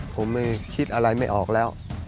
ผมไม่คิดอะไรไม่ออกแล้ว